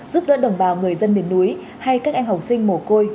giúp đỡ đồng bào người dân miền núi hay các em học sinh mồ côi